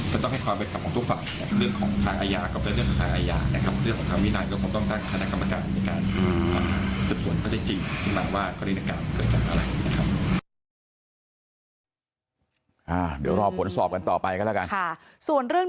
จะต้องให้ความเดียวนอนพอจอบกันต่อไปก็แล้วกันส่วนเรื่อง